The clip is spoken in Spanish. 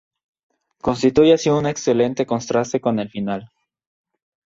Constituye aun así un excelente contraste con el final.